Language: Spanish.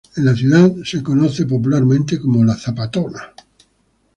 En la ciudad es conocida popularmente como ‘’la Zapatona’’.